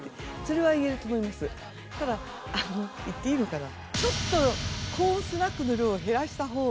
ただ言っていいのかな。